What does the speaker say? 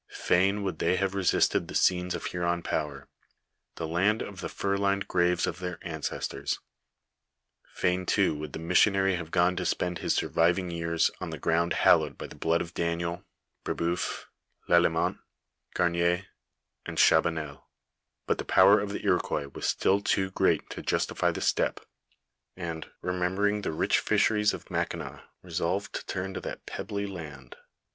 Fain would they have revisited the scones of Huron power, the land of the fur lined graves of their ancestors ; fain too would the missionary have gone to spend his surviving years on the ground hallowed by the blood of Daniel, Brebeuf, Lalemant, Garnier, and Chaba nel, but the power of the Iroquois was still too great to justify the step, and tl> f ^es remembering tlip vich fisheries of Mackinaw, resoived to ;urn to that pebbly . aiiH.